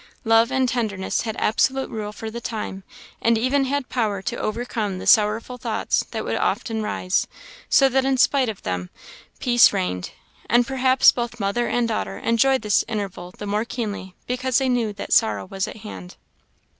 Love and tenderness had absolute rule for the time, and even had power to overcome the sorrowful thoughts that would often rise; so that in spite of them peace reigned. And perhaps both mother and daughter enjoyed this interval the more keenly because they knew that sorrow was at hand.